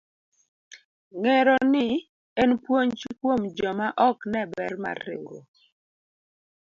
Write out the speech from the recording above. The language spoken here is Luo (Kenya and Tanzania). Ng'ero ni en puonj kuom joma ok ne ber mar riwruok.